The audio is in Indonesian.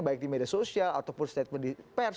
baik di media sosial ataupun statement di pers